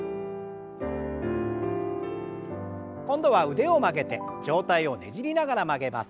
今度は腕を曲げて上体をねじりながら曲げます。